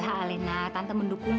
terus apa alasnya emg ini